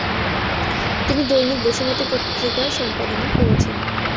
তিনি দৈনিক বসুমতী পত্রিকার সম্পাদনা করেছেন।